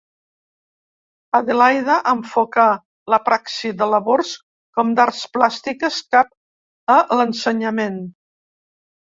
Adelaida enfocà la praxi de labors com d'arts plàstiques cap a l’ensenyament.